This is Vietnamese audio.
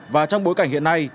và trong bối cảnh hiện nay